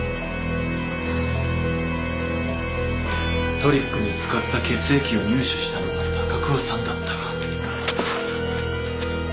トリックに使った血液を入手したのは高桑さんだった。